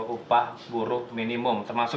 upah buruk minimum termasuk